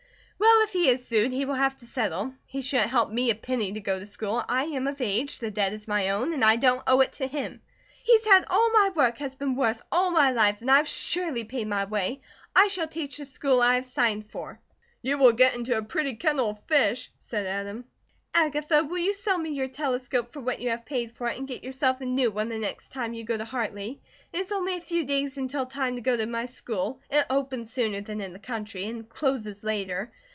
"Well, if he is sued, he will have to settle. He wouldn't help me a penny to go to school, I am of age, the debt is my own, and I don't owe it to him. He's had all my work has been worth all my life, and I've surely paid my way. I shall teach the school I have signed for." "You will get into a pretty kettle of fish!" said Adam. "Agatha, will you sell me your telescope for what you paid for it, and get yourself a new one the next time you go to Hartley? It is only a few days until time to go to my school, it opens sooner than in the country, and closes later.